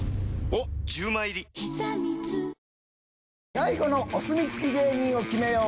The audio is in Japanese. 「大悟のお墨付き芸人を決めよう！